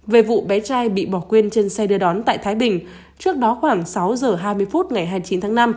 về vụ bé trai bị bỏ quên trên xe đưa đón tại thái bình trước đó khoảng sáu giờ hai mươi phút ngày hai mươi chín tháng năm